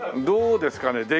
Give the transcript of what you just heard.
どうですかね？